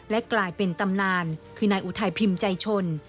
และกลายเป็นตำนานคือนายอุทัยพิมพ์ใจชน